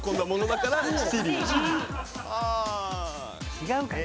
違うかな。